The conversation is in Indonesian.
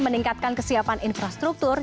meningkatkan kesiapan infrastruktur